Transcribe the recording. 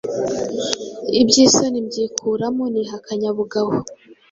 iby'isoni mbyikuramo niha akanyabugabo